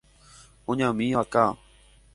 Oñami vaka.